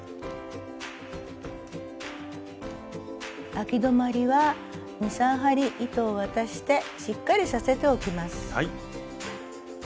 あき止まりは２３針糸を渡してしっかりさせておきます。